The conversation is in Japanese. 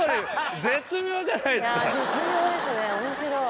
絶妙ですね面白い。